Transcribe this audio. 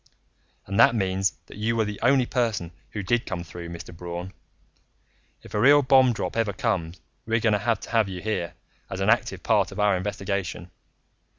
"And that means that you were the only person who did come through, Mr. Braun. If a real bomb drop ever comes, we're going to have to have you here, as an active part of our investigation.